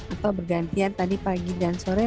atau bergantian tadi pagi dan sore